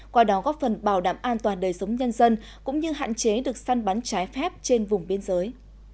qua đó góp phần bảo đảm an toàn đời sống nhân dân cũng như hạn chế được săn bắn trái phép trên vùng biên giới